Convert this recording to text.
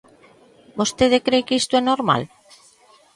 ¿Vostede cre que isto é normal?